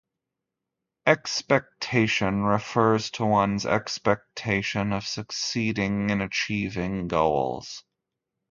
Expectation refers to one's expectation of succeeding in achieving goals.